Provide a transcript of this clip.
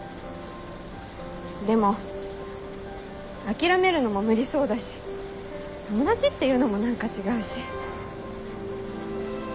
でも諦めるのも無理そうだし友達っていうのも何か違うし。